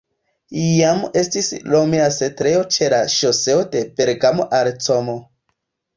Jam estis romia setlejo ĉe la ŝoseo de Bergamo al Como.